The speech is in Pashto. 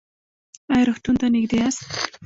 ایا روغتون ته نږدې یاست؟